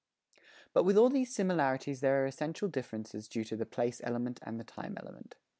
But with all these similarities there are essential differences due to the place element and the time element.